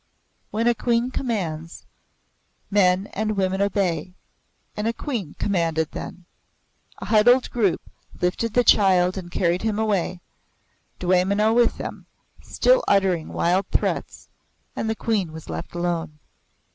When a Queen commands, men and women obey, and a Queen commanded then. A huddled group lifted the child and carried him away, Dwaymenau with them, still uttering wild threats, and the Queen was left alone.